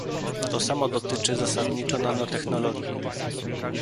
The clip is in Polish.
To samo dotyczy zasadniczo nanotechnologii